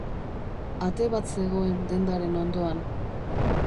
Ate bat zegoen dendaren hondoan.